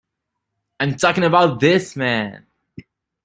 I'm talking about this man.